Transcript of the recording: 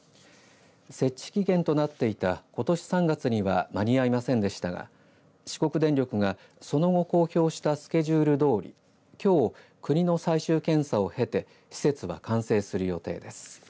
設置期限となっていたことし３月には間に合いませんでしたが四国電力が、その後公表したスケジュールどおりきょう、国の最終検査を経て施設は完成する予定です。